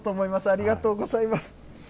ありがとうございます。